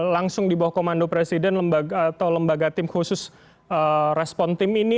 langsung di bawah komando presiden atau lembaga tim khusus respon tim ini